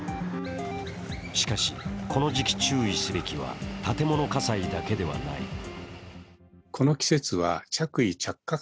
しかし、この時期注意すべきは建物火災だけではない。